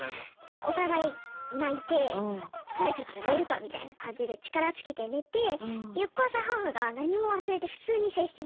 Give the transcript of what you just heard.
まあお互い泣いて疲れたから寝るかみたいな感じで力尽きて寝て翌朝母が何も忘れて普通に接してきたんですよ。